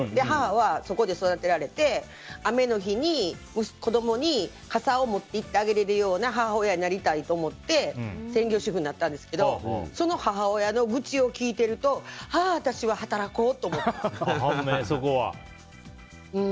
母は、そこで育てられて雨の日に子供に傘を持って行ってあげられるような母親になりたいと思って専業主婦になったんですけどその母親の愚痴を聞いていると私は働こうって思って。